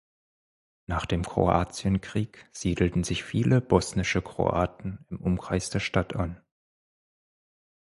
Nach dem Kroatienkrieg siedelten sich viele bosnische Kroaten im Umkreis der Stadt an.